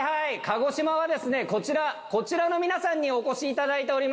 鹿児島はですねこちらの皆さんにお越しいただいております。